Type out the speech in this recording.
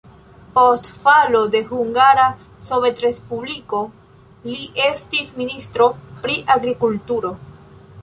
Post falo de Hungara Sovetrespubliko li estis ministro pri agrikulturo.